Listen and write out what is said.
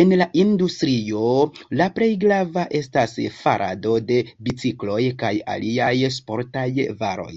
En la industrio la plej grava estas farado de bicikloj kaj aliaj sportaj varoj.